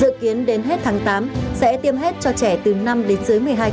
dự kiến đến hết tháng tám sẽ tiêm hết cho trẻ từ năm đến dưới một mươi hai tuổi đủ điều kiện